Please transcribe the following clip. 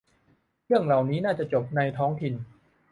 เรื่องเหล่านี้น่าจะจบในท้องถิ่น